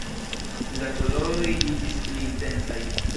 La koloroj iĝis pli intensaj.